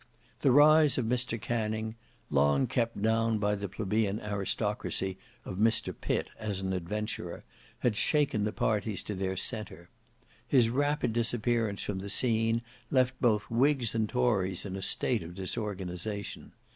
The rise of Mr Canning, long kept down by the plebeian aristocracy of Mr Pitt as an adventurer, had shaken parties to their centre. His rapid disappearance from the scene left both whigs and tories in a state of disorganization.